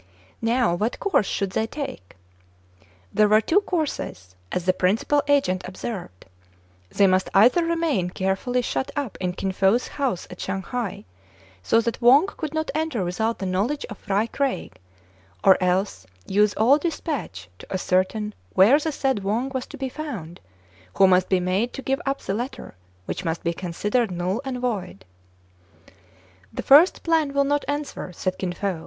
Now what course should they take } There were two courses, as tHe principal agent observed : they must either remain carefully shut up in Kin Fo* s house at Shanghai, so that Wang could not enter without the knowledge of Fry Craig, or else use all despatch to ascertain where the said Wang was to be found, who must be made to give up the letter, which must be considered null and void. " The first plan will not answer," said Kin Fo.